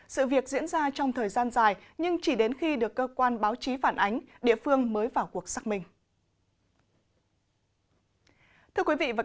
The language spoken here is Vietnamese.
sự việc diễn ra trong thời gian dài nhưng chỉ đến khi được cơ quan báo chí phản ánh địa phương mới vào cuộc xác minh